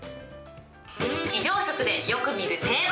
非常食でよく見る定番。